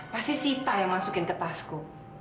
pasti sita yang masukin ke tasku